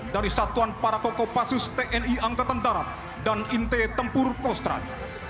dari satuan parakokopasus tni angkatan darat dan inti tempur kostrad